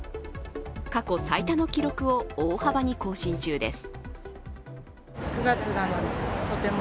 過去最多の記録を大幅に更新中です。